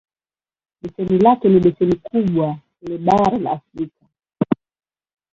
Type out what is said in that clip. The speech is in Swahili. Beseni lake ni beseni kubwa le bara la Afrika.